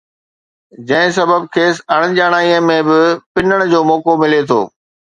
جنهن سبب کيس اڻڄاڻائيءَ ۾ به پنڻ جو موقعو ملي ٿو